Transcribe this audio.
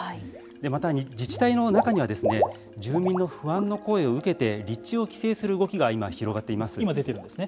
また、自治体の中には住民の不安の声を受けて立地を規制する動きが今、出ているんですね。